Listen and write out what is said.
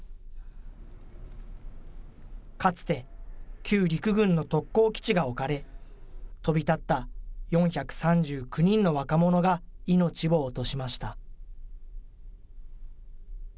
かつて旧陸軍の特攻基地が置かれ、飛び立った４３９人の若者が命を落としました。